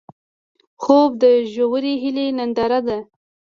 خوب د ژورې هیلې ننداره ده